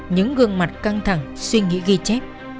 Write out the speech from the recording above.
những gương mặt căng thẳng suy nghĩ ghi chép